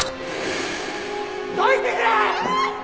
どいてくれ！